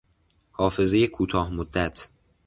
حافظهی کوتاه مدت